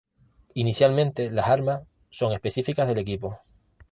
Inicialmente, las armas son específicas del equipo.